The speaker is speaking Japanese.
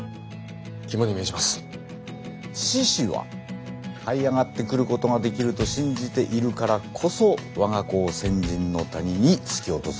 獅子ははい上がってくることができると信じているからこそ我が子を千尋の谷に突き落とすことができるんです。